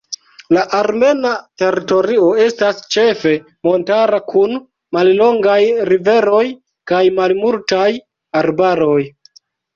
La armena teritorio estas ĉefe montara, kun mallongaj riveroj kaj malmultaj arbaroj.